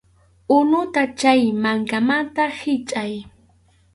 Unuta chay mankamanta hichʼay.